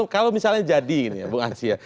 kalau misalnya jadi ini ya bung ansy ya